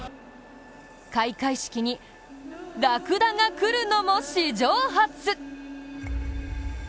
開会式に、らくだが来るのも、史上初！